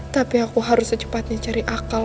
tapi aku harus secepatnya cari akal